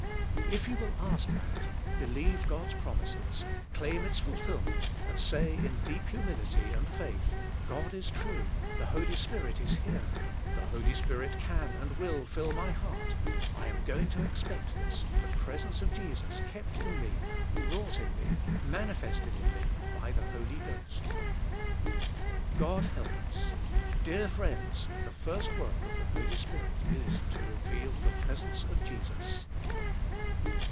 If you will ask that, believe God's promises, claim its fulfillment, and say in deep humility and faith, "God is trup, the Holy Spirit is here, the Holy Spirit can and will fill my heart, I am going" to expect this, the presense of Jesus, kept in me, wroug ht in me, manifested in me by the Holy Ghost." God help us. Dear friends, the first work of the Holy Spirit is to reveal the presence of Jesus.